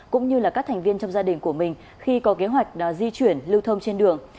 cũng như là các thành viên trong gia đình của mình khi có kế hoạch di chuyển lưu thông trên đường